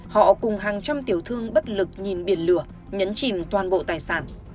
họ cùng hàng trăm tiểu thương bất lực nhìn biển lửa nhấn chìm toàn bộ tài sản